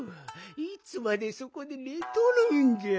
いつまでそこでねとるんじゃ。